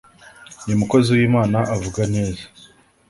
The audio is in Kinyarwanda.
Uyu mukozi w'Imana avuga neza